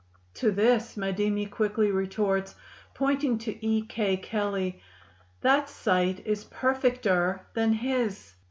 To this Madimi quickly retorts, "pointing to E. K." (Kelley), "That sight is perfecter than his."